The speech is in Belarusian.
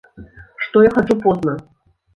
Што я хаджу позна.